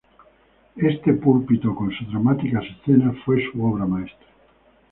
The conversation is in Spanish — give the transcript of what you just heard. Este púlpito con sus dramáticas escenas fue su obra maestra.